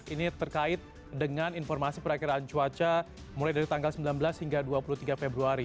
ini terkait dengan informasi perakhiran cuaca mulai dari tanggal sembilan belas hingga dua puluh tiga februari